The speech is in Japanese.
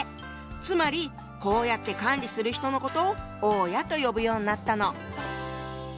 つまりこうやって管理する人のことを「大家」と呼ぶようになったの。